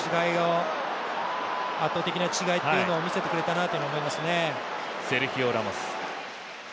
圧倒的な違いというのを見せてくれたと思いますね。